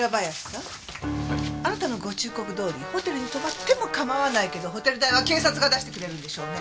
あなたのご忠告どおりホテルに泊まっても構わないけどホテル代は警察が出してくれるんでしょうね？